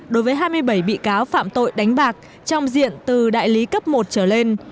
đối với hai mươi bảy bị cáo phạm tội đánh bạc trong diện từ đại lý cấp một trở lên